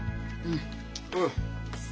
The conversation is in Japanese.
うん？